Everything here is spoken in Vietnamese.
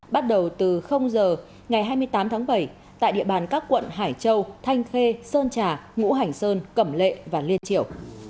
bắt đầu từ giờ ngày hai mươi tám tháng bảy tại địa bàn các quận hải châu thanh khê sơn trà ngũ hành sơn cẩm lệ và liên triều